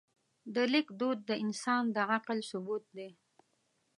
د لیک دود د انسان د عقل ثبوت دی.